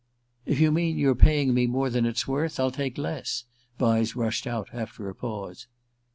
"If you mean you're paying me more than it's worth, I'll take less," Vyse rushed out after a pause.